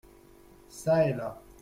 Çà et là.